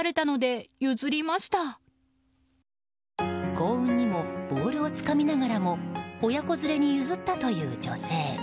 幸運にもボールをつかみながらも親子連れに譲ったという女性。